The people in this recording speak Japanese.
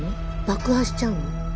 爆破しちゃうの？